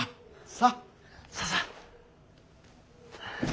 さあさあ。